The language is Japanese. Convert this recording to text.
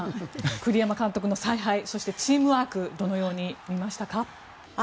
栗山監督の采配そしてチームワークをどのように見ましたか？